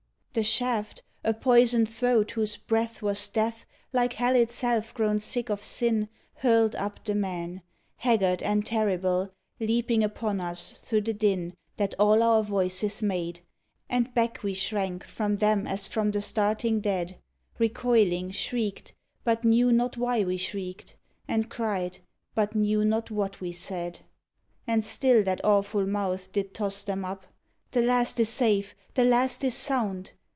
The shaft, a poisoned throat whose breath was death, Like hell itself grown sick of sin, Hurled up the men; haggard and terrible; Leaping upon us through the din That all our voices made; and back we shrank From them as from the starting dead; Recoiling, shrieked, but knew not why we shrieked; And cried, but knew not what we said. And still that awful mouth did toss them up: "The last is safe! The last is sound!"